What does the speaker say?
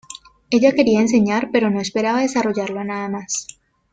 Ella quería enseñar pero no esperaba desarrollarlo a nada más.